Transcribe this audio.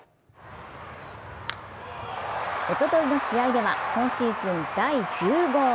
おとといの試合では今シーズン第１０号。